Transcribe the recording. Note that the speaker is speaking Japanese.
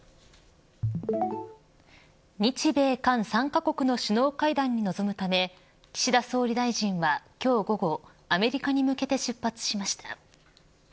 日米韓３カ国の首脳会談に臨むため岸田総理大臣は今日午後アメリカに向けて出発しました。